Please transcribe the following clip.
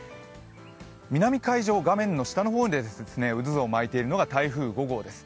南海上、画面の下の方で渦を巻いているのが台風５号です。